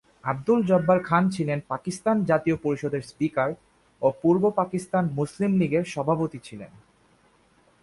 আব্দুল জব্বার খান ছিলেন পাকিস্তান জাতীয় পরিষদের স্পীকার ও পূর্ব পাকিস্তান মুসলিম লীগের সভাপতি ছিলেন।